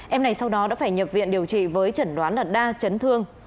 em này sau đó đã phải nhập viện điều trị với chẩn đoán là đa chấn thương